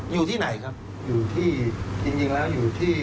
อยู่ที่ไหนครับจริงแล้วอยู่ที่